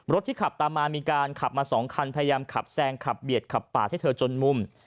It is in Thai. ที่ขับตามมามีการขับมา๒คันพยายามขับแซงขับเบียดขับปาดให้เธอจนมุม